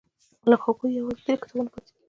له هغوی یوازې درې کتابونه پاتې دي.